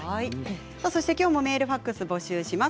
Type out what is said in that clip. きょうもメールファックスを募集します。